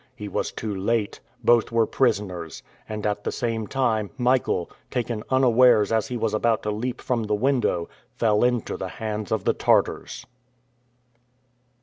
He was too late! Both were prisoners; and, at the same time, Michael, taken unawares as he was about to leap from the window, fell into the hands of the Tartars!